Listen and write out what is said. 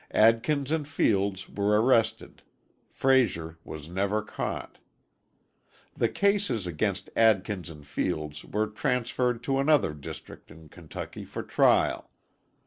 Adkins and Fields were arrested. Frazier was never caught. The cases against Adkins and Fields were transferred to another district in Kentucky for trial.